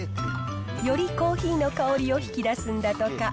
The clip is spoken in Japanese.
よりコーヒーの香りを引き出すんだとか。